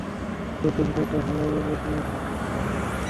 লোকটি হঠাৎ ইউহাওয়ার উড়না ধরে টান মেরে চেহারা বের করে ফেলে।